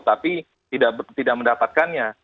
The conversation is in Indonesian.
tapi tidak mendapatkannya